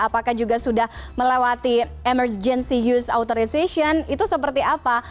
apakah juga sudah melewati emergency use authorization itu seperti apa